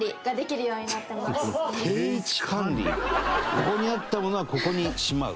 ここにあったものはここにしまう。